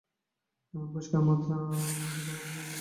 এমন পরিষ্কার মাথা অন্য কোথাও প্রায় জন্মে না।